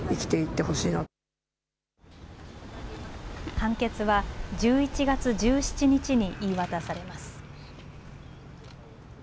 判決は１１月１７日に言い渡されます。